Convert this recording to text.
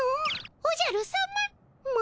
おじゃるさま？